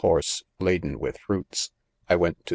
se, laden with fruity | I went to.